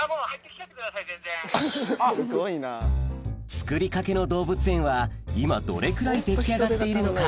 つくりかけの動物園は今どれくらい出来上がっているのか？